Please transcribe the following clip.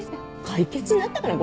解決になったかな？